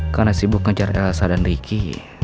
karena sibuk ngejar elsa dan ricky